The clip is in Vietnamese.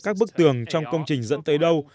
các bức tường trong công trình dẫn tới đâu